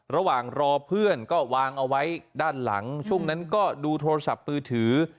ระหว่างรอเพื่อนก็วางเอาไว้ด้านหลังช่วงนั้นก็ดูโทรศัพท์มือถือ